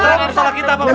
masalah kita pak ustadz